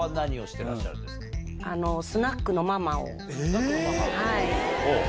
スナックのママ？